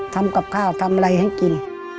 ทำกับข้าวทำอะไรให้กิน